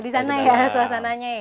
di sana ya suasananya ya